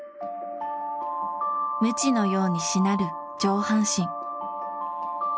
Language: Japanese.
ムチのようにしなる上半身。